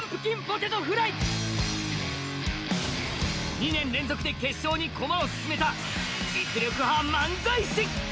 ２年連続、決勝に駒を進めた実力派漫才師。